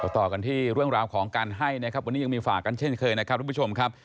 ต่อกันที่เรื่องราวของการให้นะครับวันนี้ยังมีฝากกันเช่นเคยนะครับทุกผู้ชมครับ